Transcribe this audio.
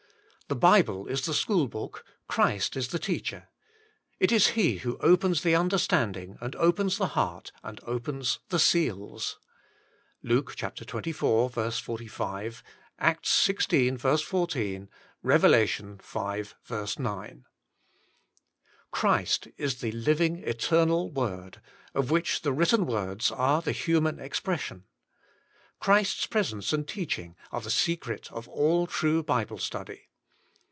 The Bible is the school book, Christ is the Teacher. It is He who opens the understanding, and opens the heart, and opens the seals. (Luke xxiv. 45, Acts xvi. 14, Eev. V. 9.) Christ is the living eternal Word, of which the written words are the human expres sion. Christ's presence and teaching are the secret of all true Bible study.